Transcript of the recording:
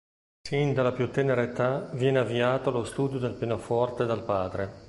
Sin dalla più tenera età viene avviato allo studio del pianoforte dal padre.